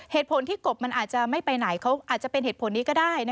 เหตุผลที่กบมันอาจจะไม่ไปไหนเขาอาจจะเป็นเหตุผลนี้ก็ได้